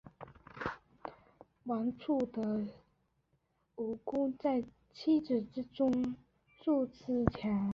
王处一的武功在七子之中数次强。